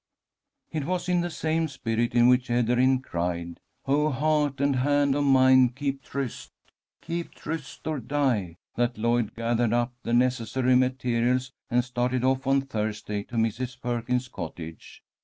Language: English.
It was in the same spirit in which Ederyn cried, "Oh, heart and hand of mine, keep tryst! Keep tryst or die!" that Lloyd gathered up the necessary materials and started off on Thursday to Mrs. Perkins's cottage.